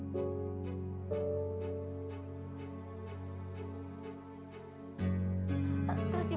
terima kasih bu